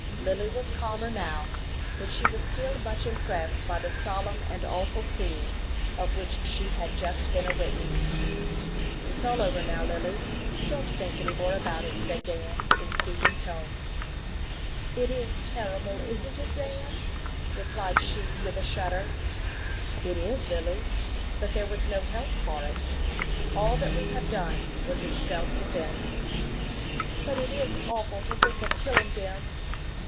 Lily was calmer now, but she was still much impressed by the solemn and awful scene of which she had just been a witness. "It's all over now, Lily. Don't think any more about it," said Dan, in soothing tones. "It is terrible isn't it, Dan?" replied she, with a shudder. "It is, Lily; but there was no help for it. All that we have done was in self defence." "But it is awful to think of killing them."